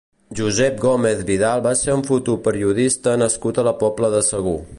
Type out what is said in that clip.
Josep Gómez Vidal va ser un fotoperiodista nascut a la Pobla de Segur.